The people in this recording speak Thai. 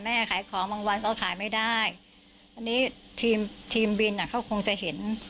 ขายของบางวันก็ขายไม่ได้อันนี้ทีมทีมบินอ่ะเขาคงจะเห็น